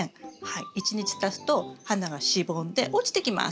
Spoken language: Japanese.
１日たつと花がしぼんで落ちてきます。